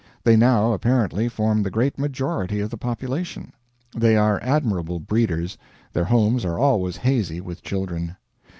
They now apparently form the great majority of the population. They are admirable breeders; their homes are always hazy with children.